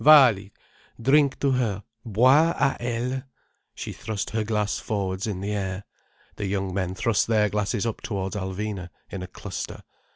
"Vaali, drink to her—Boire à elle—" She thrust her glass forwards in the air. The young men thrust their glasses up towards Alvina, in a cluster.